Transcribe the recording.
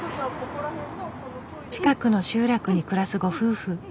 近くの集落に暮らすご夫婦。